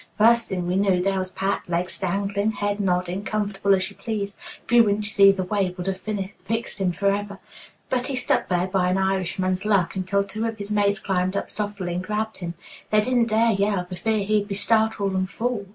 First thing we knew, there was Pat, legs dangling, head nodding, comfortable as you please. A few inches either way would have fixed him forever; but he stuck there, by an Irishman's luck, until two of his mates climbed up softly and grabbed him. They didn't dare yell for fear he'd be startled and fall."